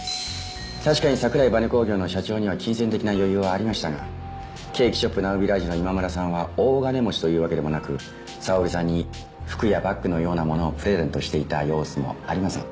確かに桜井バネ工業の社長には金銭的な余裕はありましたがケーキショップ・ナウビラージュの今村さんは大金持ちというわけでもなく沙織さんに服やバッグのようなものをプレゼントしていた様子もありません。